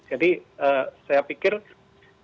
jadi saya pikir hal hal semacam itu